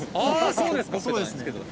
そうですね。